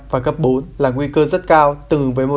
và cấp bốn là nguy cơ rất cao tương ứng với màu đỏ